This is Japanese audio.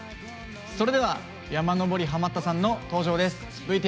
それでは山登りハマったさんの登場です。